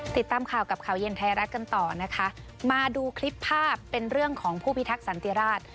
ติดตามข่าวกับข่าวเย็นไทยรัฐกันต่อนะคะมาดูคลิปภาพเป็นเรื่องของผู้พิทักษันติราช